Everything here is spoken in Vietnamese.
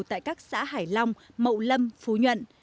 tại các xã hải long mậu lâm phú nhuận